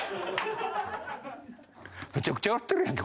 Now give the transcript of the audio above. めちゃくちゃやってるやんけ。